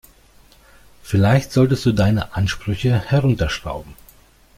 Vielleicht solltest du deine Ansprüche herunterschrauben.